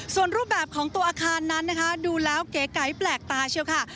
ส่วนรูปแบบของตัวอาคารนั้นนะคะดูแล้วเก๋ไก่แปลกตาเชียวค่ะ